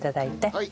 はい。